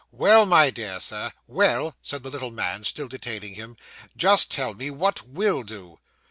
'Well, my dear Sir, well,' said the little man, still detaining him; 'just tell me what will do.